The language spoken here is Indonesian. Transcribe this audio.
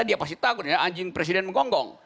dia pasti takut ya anjing presiden menggonggong